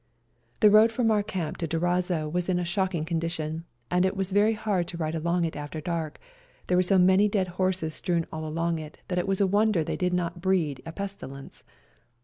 The road from our camp to Durazzo was in a shocking condition, and it was very hard to ride along it after dark; there were so many dead horses strewn all along it that it was a wonder they did not breed a pesti lence.